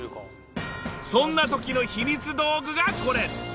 そんな時の秘密道具がこれ！